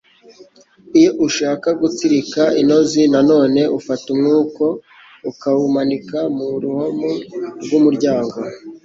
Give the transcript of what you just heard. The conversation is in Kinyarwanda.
Iyo ushaka gutsirika intozi nanone, ufata umwuko ukawumanika mu ruhamo rw’umuryango